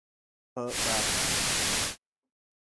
Per Badman.